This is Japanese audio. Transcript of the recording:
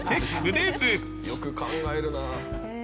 「よく考えるな」